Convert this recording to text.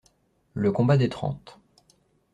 Le Combat des Trente.